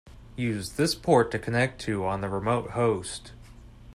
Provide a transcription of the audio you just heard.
Use this port to connect to on the remote host.